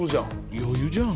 余裕じゃん！